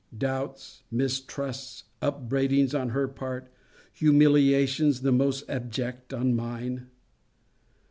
Doubts, mistrusts, upbraidings, on her part; humiliations the most abject, on mine.